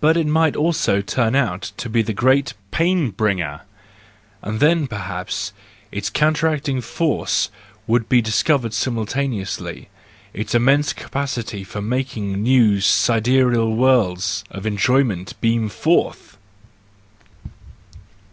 But it might also turn out to be the great pain bringer ! —And then, perhaps, its counteracting force would be discovered simultaneously, its immense capacity for making new sidereal worlds of enjoyment beam forth!